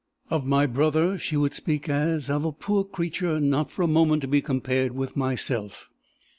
"Of my brother she would speak as of a poor creature not for a moment to be compared with myself.